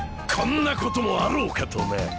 こんなこともあろうかとな！